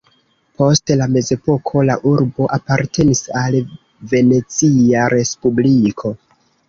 Post la mezepoko la urbo apartenis al Venecia respubliko.